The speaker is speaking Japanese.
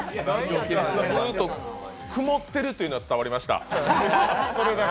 ずっと曇ってるというのは伝わりました。